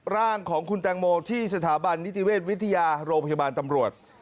ร่างของคุณแตงโมที่สถาบันนิติเวชวิทยาโรงพยาบาลตำรวจ